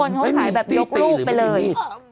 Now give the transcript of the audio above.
บางคนเขาขายแบบยกรูปไปเลย